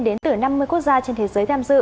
đến từ năm mươi quốc gia